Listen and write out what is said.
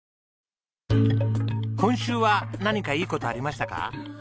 今週は何かいい事ありましたか？